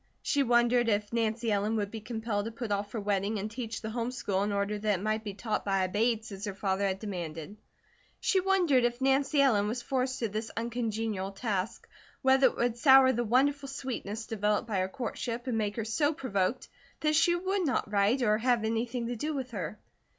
She wondered if Nancy Ellen would be compelled to put off her wedding and teach the home school in order that it might be taught by a Bates, as her father had demanded. She wondered if Nancy Ellen was forced to this uncongenial task, whether it would sour the wonderful sweetness developed by her courtship, and make her so provoked that she would not write or have anything to do with her.